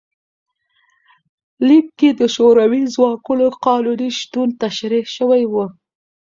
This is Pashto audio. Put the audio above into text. لیک کې د شوروي ځواکونو قانوني شتون تشریح شوی و.